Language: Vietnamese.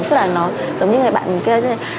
thế là nó giống như người bạn kia